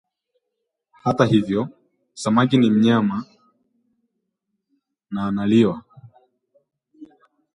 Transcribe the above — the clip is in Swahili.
Hata hivyo, samaki ni mnyama na analiwa